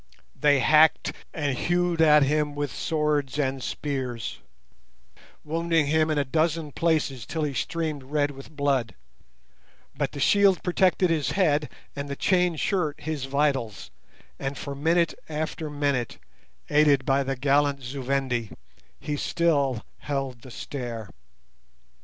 They hacked and hewed at him with swords and spears, wounding him in a dozen places till he streamed red with blood; but the shield protected his head and the chain shirt his vitals, and for minute after minute, aided by the gallant Zu Vendi, he still held the stair.